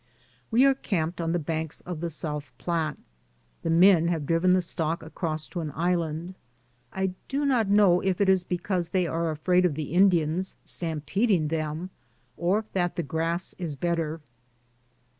We are camped on the banks of the South Platte. The men have driven the stock across to an island. I do not know if it is because they are afraid of the Indians stam peding them, or that the grass is better.